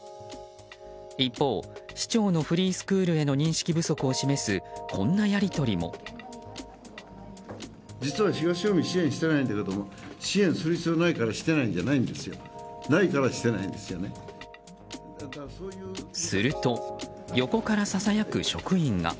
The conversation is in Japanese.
一方、市長のフリースクールへの認識不足を示すこんなやり取りも。すると、横からささやく職員が。